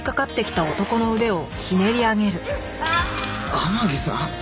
天樹さん？